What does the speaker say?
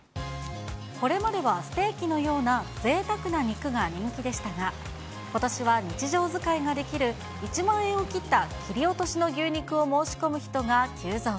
これまではステーキのような、ぜいたくな肉が人気でしたが、ことしは日常使いができる１万円を切った切り落としの牛肉を申し込む人が急増。